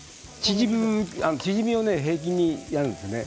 縮みを平均的にするんですね。